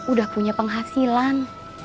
udah punya penghasilan